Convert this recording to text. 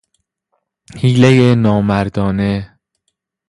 حیلهی نامردانه